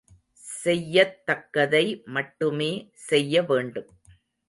செய்யத் தக்கதை மட்டுமே செய்ய வேண்டும்.